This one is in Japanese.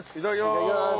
いただきます。